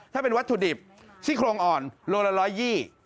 ถ้าเป็นวัตถุดิบซี่โครงอ่อนโลละร้อยยี่